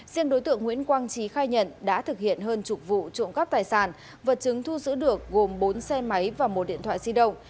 riêng đối tượng nguyễn quang trí khai nhận đã thực hiện hơn chục vụ trộm cắp tài sản vật chứng thu giữ được gồm bốn xe máy và một điện thoại di động